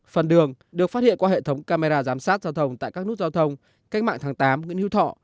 phần đường được phát hiện qua hệ thống camera giám sát giao thông tại các nút giao thông cách mạng tháng tám nguyễn hữu thọ